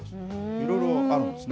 いろいろあるんですね。